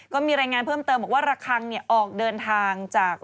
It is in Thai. ก็มีรายงานเพิ่มเติมบอกว่าระคังออกเดินทางจาก